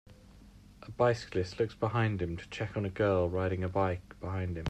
A bicyclist looks behind him to check on a girl riding a bike behind him.